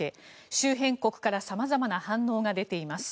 周辺国から様々な反応が出ています。